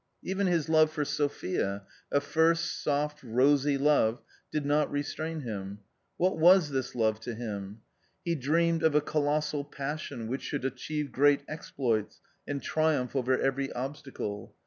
4 Even his love for Sophia — a first, soft, rosy love — did not J restrain him. What was this love to him? He dreamed ! of a colossal passion which should achieve great exploits and . triumph over every obstacle.